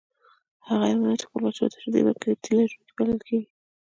هغه حیوانات چې خپلو بچیانو ته شیدې ورکوي تی لرونکي بلل کیږي